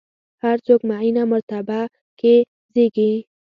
هر څوک معینه مرتبه کې زېږي.